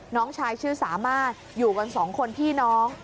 น้องชายชื่อสามารถอยู่กันสองคนพี่น้อง